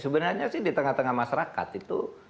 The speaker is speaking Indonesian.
sebenarnya sih di tengah tengah masyarakat itu